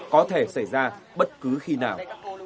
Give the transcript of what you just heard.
có thể xảy ra bất cứ khi nào